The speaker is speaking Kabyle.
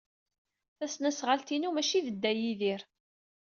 Tasnasɣalt-a inu, maci d Dda Yidir.